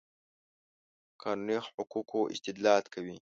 قانوني حقوقو استدلال کوي.